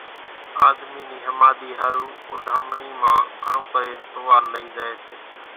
آۮمِي نِي ۿماۮِي ۿارُو اوڍامڻي مان گھڻون ڪرين ٽووال لئي زائي سي ۔